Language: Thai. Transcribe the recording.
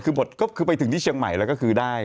ก็ไปถึงที่เชียงใหม่แล้วก็ได้